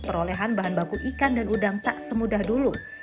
perolehan bahan baku ikan dan udang tak semudah dulu